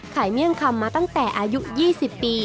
เมี่ยงคำมาตั้งแต่อายุ๒๐ปี